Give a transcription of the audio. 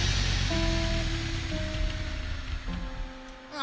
あ！